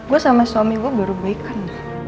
gue sama suami gue baru baikan